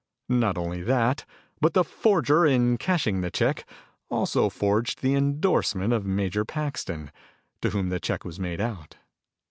Not only that, but the forger, in cashing the check, also forged the endorsement of Major Paxton, to whom the check was made out.